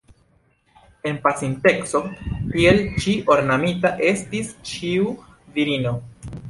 En pasinteco tiel ĉi ornamita estis ĉiu virino.